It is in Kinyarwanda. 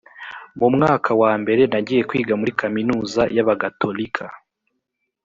mu mwaka wa mbere nagiye kwiga muri kaminuza y abagatolika